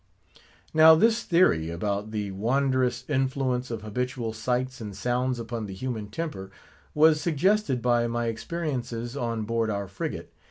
Now, this theory about the wondrous influence of habitual sights and sounds upon the human temper, was suggested by my experiences on board our frigate.